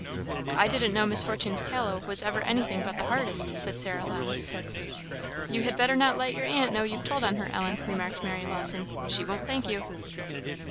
"I didn't know Miss Fortune's tallow was ever anything but the hardest," said Sarah Lowndes. "You had better not let your aunt know you've told on her, Ellen," remarked Mary Lawson; "she won't thank you."